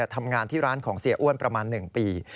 ทำงานที่ร้านของเสียอ้วนประมาณ๑ปี